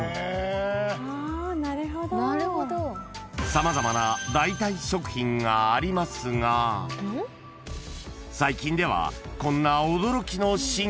［様々な代替食品がありますが最近ではこんな驚きの進化が］